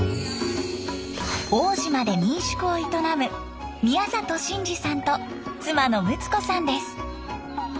奥武島で民宿を営む宮里真次さんと妻のむつ子さんです。